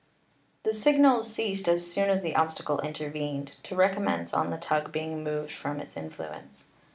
The signals ceased as soon as the obstacle intervened, to recommence on the tug being moved from its influ ence.